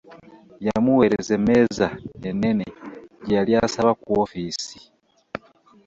Yamuweereza emmeza ennene gye yali asaba ku ofiisi